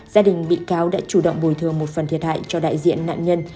gia đình bị cáo đã chủ động bồi thường một phần thiệt hại cho đại diện nạn nhân